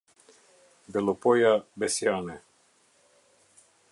Bellopoja, Besiane